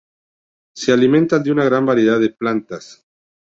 Se alimentan de una gran variedad de plantas.